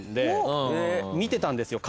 見てたんですよ。